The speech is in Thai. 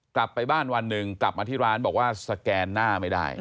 กลับไปบ้านวันหนึ่งกลับมาที่ร้านบอกว่าสแกนหน้าไม่ได้